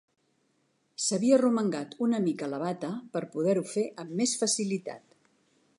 S'havia arromangat una mica la bata per poder-ho fer amb més facilitat.